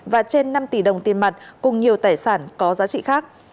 và trên năm tỷ đồng tiền mặt cùng nhiều tài sản có giá trị khác